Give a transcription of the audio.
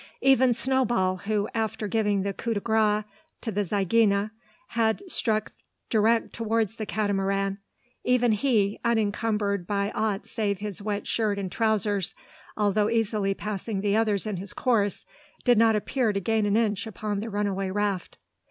Even Snowball, who, after giving the coup de grace to the zygaena, had struck direct towards the Catamaran, even he, unencumbered by aught save his wet shirt and trousers, although easily passing the others in his course, did not appear to gain an inch upon the runaway raft.